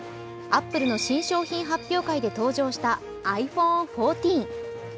アップルの新商品発表会で登場したｉＰｈｏｎｅ１４。